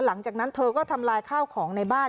หลังจากนั้นเธอก็ทำลายข้าวของในบ้าน